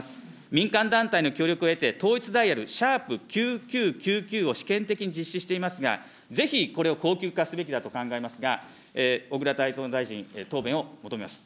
民間団体の協力を得て、統一ダイヤル、＃９９９９を試験的に実施していますが、ぜひこれを恒久化すべきだと考えますが、小倉担当大臣、答弁を求めます。